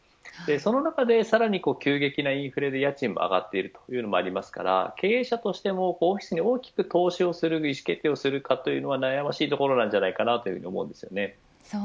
その中でさらに急激なインフレで家賃も上がっているというのもありますから経営者としてもオフィスに大きく投資をする意思決定をするかというのは悩ましいところなんじゃないかなそうなんですね。